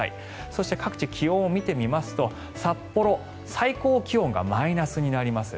そして各地、気温を見てみますと札幌、最高気温がマイナスになります。